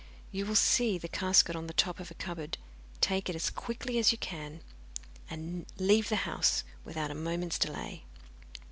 You will see the casket on the top of a cupboard, take it as quickly as you can, and leave the house without a moment's delay.